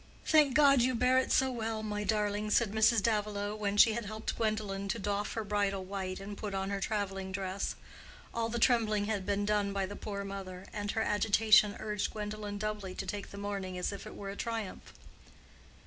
"Thank God you bear it so well, my darling!" said Mrs. Davilow, when she had helped Gwendolen to doff her bridal white and put on her traveling dress. All the trembling had been done by the poor mother, and her agitation urged Gwendolen doubly to take the morning as if it were a triumph.